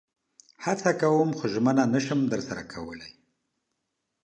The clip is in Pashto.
هڅه کوم خو ژمنه نشم درسره کولئ